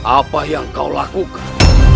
apa yang kau lakukan